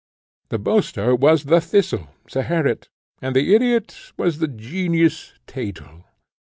The boaster was the Thistle, Zeherit, and the ideot was the Genius, Thetel.